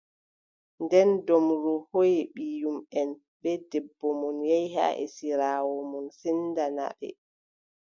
Nden doombru hooʼi ɓiyumʼen bee debbo mum, yehi haa esiraawo mum, sendani ɓe.